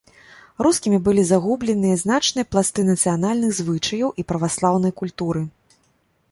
Рускімі былі згубленыя значныя пласты нацыянальных звычаяў і праваслаўнай культуры.